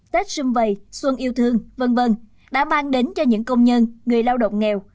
tết xung vầy xuân yêu thương vân vân đã mang đến cho những công nhân người lao động nghèo